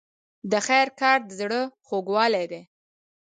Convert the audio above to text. د خیر کار د زړه خوږوالی دی.